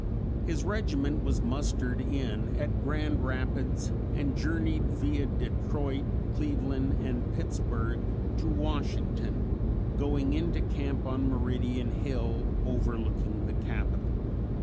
His regiment was mustered in at Grand Rapids and journeyed via Detroit, Cleveland and Pittsburg to Washington, going into camp on Meridian Hill overlooking the capitol.